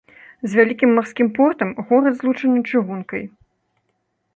З вялікім марскім портам горад злучаны чыгункай.